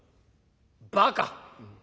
「バカ。